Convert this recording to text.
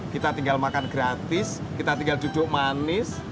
kita tinggal makan gratis kita tinggal duduk manis